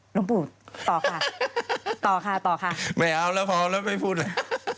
หลวงปู่ต่อค่ะต่อค่ะต่อค่ะไม่เอาแล้วพอเอาแล้วไม่พูดเลย